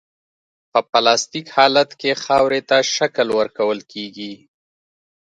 په پلاستیک حالت کې خاورې ته شکل ورکول کیږي